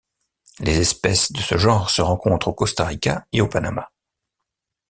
Les espèces de ce genre se rencontrent au Costa Rica et au Panama.